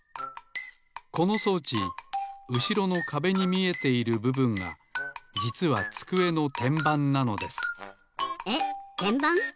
この装置うしろのかべに見えているぶぶんがじつはつくえのてんばんなのですえってんばん？